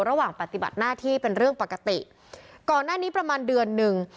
ระหว่างปฏิบัติหน้าที่เป็นเรื่องปกติก่อนหน้านี้ประมาณเดือนหนึ่ง